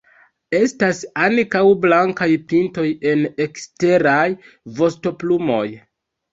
Estas ankaŭ blankaj pintoj en eksteraj vostoplumoj.